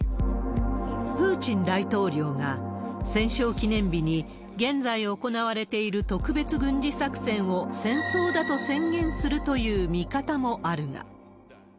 プーチン大統領が戦勝記念日に、現在行われている特別軍事作戦を戦争だと宣言するという見方もあるが。